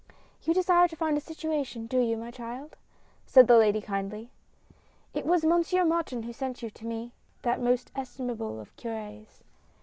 "You desire to find a situation, do you, my child?" said the lady kindly. " It was Monsieur Martin who sent you to me, that most estimable of cur4s."